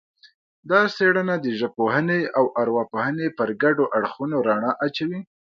دا څېړنه د ژبپوهنې او ارواپوهنې پر ګډو اړخونو رڼا اچوي